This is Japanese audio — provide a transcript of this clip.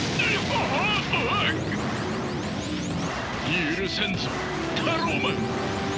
許さんぞタローマン！